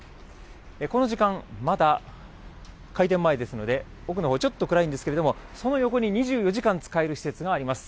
この時間、まだ開店前ですので、奥のほうちょっと暗いんですけれども、その横に２４時間使える施設があります。